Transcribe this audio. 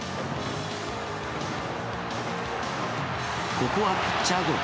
ここはピッチャーゴロ。